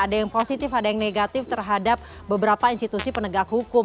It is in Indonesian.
ada yang positif ada yang negatif terhadap beberapa institusi penegak hukum